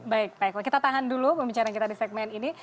baik baiklah kita tahan dulu pembicaraan kita di segmen ini